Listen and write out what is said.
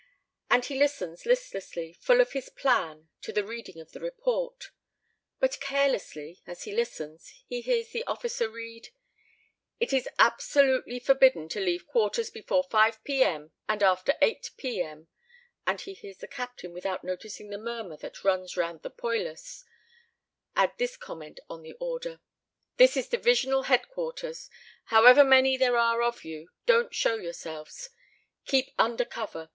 And he listens listlessly, full of his plan, to the reading of the report. But carelessly as he listens, he hears the officer read, "It is absolutely forbidden to leave quarters before 5 p.m. and after 8 p.m.," and he hears the captain, without noticing the murmur that runs round the poilus, add this comment on the order: "This is Divisional Headquarters. However many there are of you, don't show yourselves. Keep under cover.